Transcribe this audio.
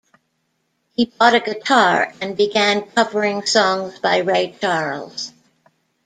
He bought a guitar and began covering songs by Ray Charles.